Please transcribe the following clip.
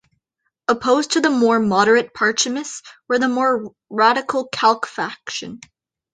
Opposed to the more moderate Parchamis were the radical Khalq faction.